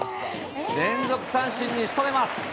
連続三振にしとめます。